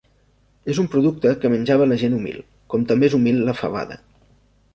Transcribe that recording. Era un producte que menjava la gent humil, com també és humil la fabada.